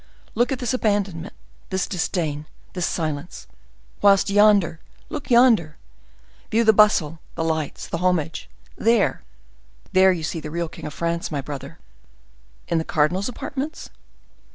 Look at this abandonment—this disdain—this silence!—Whilst yonder—look yonder! View the bustle, the lights, the homage! There!—there you see the real king of France, my brother!" "In the cardinal's apartments?"